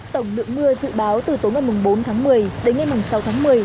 tổng lượng mưa dự báo từ tối ngày bốn tháng một mươi đến ngày sáu tháng một mươi